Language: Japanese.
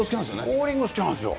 ボウリング好きなんですよ。